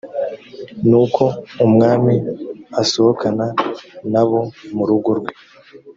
nuko umwami asohokana n abo mu rugo rwe